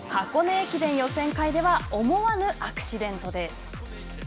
駅伝予選会では思わぬアクシデントです。